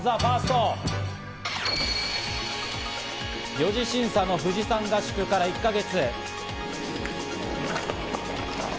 ４次審査の富士山合宿から１か月。